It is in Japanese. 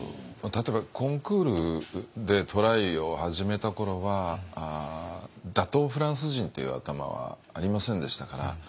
例えばコンクールでトライを始めた頃は打倒フランス人っていう頭はありませんでしたから。